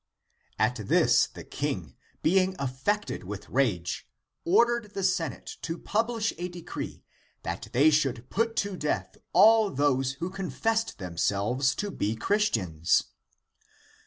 At this the King, being affected with rage, ordered the senate to pubHsh a decree that they should put to deatli all those who confessed them selves to be Christians.